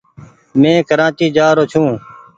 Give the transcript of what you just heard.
مين ڪرآچي جآ رو ڇون۔